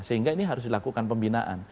sehingga ini harus dilakukan pembinaan